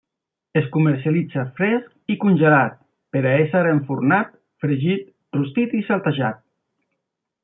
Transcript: Es comercialitza fresc i congelat per a ésser enfornat, fregit, rostit i saltejat.